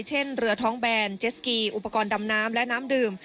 เช่นเรือท้องแบนเจสกีอุปกรณ์ดำน้ำและน้ำดื่ม